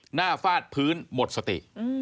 หน้าฟาดพื้นหมดสติ